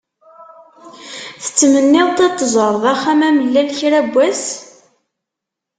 Tettmenniḍ-d ad d-teẓreḍ Axxam-Amellal kra n wass?